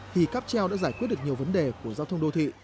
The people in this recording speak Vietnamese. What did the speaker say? thì cáp treo đã giải quyết được nhiều vấn đề của giao thông đô thị